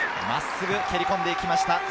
真っすぐ蹴り込んでいきました。